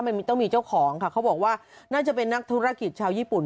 มันต้องมีเจ้าของค่ะเขาบอกว่าน่าจะเป็นนักธุรกิจชาวญี่ปุ่น